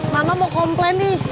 mama mau komplain nih